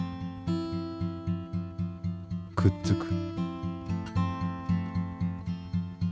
くっつく。